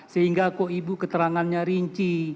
sehingga kok ibu keterangannya rinci